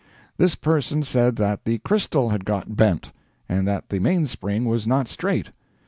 This person said that the crystal had got bent, and that the mainspring was not straight.